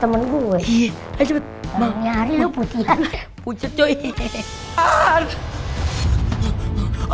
ya belum lupa clever demikian maunya lo putih putih